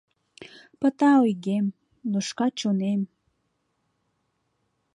Пыта ойгем, лушка чонем